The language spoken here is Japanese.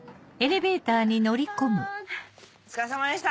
お疲れさまでした！